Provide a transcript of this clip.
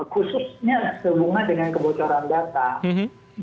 khususnya sehubungan dengan kebocoran data